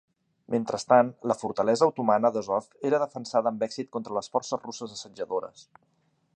Mentrestant, la fortalesa otomana d'Azov era defensada amb èxit contra les forces russes assetjadores.